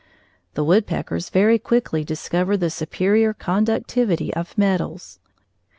The woodpeckers very quickly discover the superior conductivity of metals.